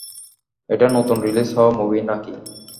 এটা নতুন রিলিজ হওয়া মুভি না-কি?